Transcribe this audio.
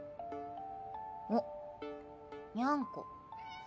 おっニャンコ。